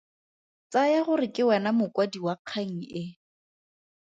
Tsaya gore ke wena mokwadi wa kgang e.